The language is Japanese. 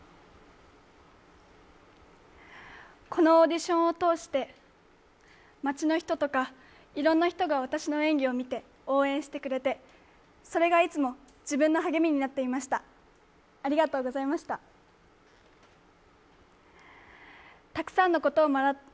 このオーディションを通して街の人とか、いろんな人が私の演技を見て応援してくれてそれがいつも自分の励みになっていました、ありがとうございました。